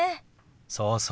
そうそう。